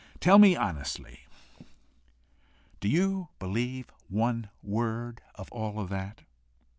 Tell me honestly do you believe one word of all that!"